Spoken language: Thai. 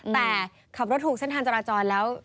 แต่ขับรถถูกเส้นทางจราจรแล้ว